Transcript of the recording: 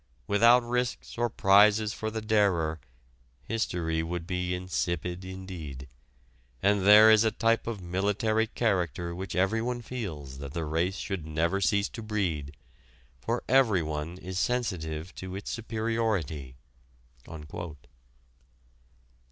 Without risks or prizes for the darer, history would be insipid indeed; and there is a type of military character which everyone feels that the race should never cease to breed, for everyone is sensitive to its superiority."